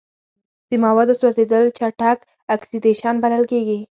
د موادو سوځیدل چټک اکسیدیشن بلل کیږي.